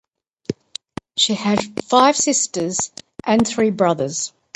She had five sisters and three brothers.